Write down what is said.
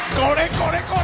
これこれ。